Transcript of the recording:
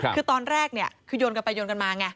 คือตอนแรกเนี่ยคือโยนกันไปโยนกันมาไง